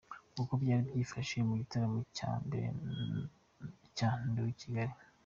Uko byari byifashe mu gitaramo cya mbere cya Ndi Uw’i Kigali:.